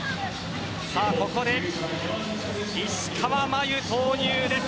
ここで石川真佑が投入されます。